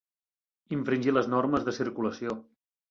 Infringir les normes de circulació.